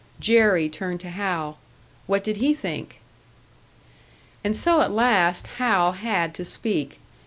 Jerry turned to Hal. What did he think? And so at last Hal had to speak.